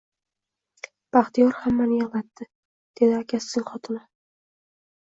Baxtiyor hammani yigʻlatdi, dedi akasining xotini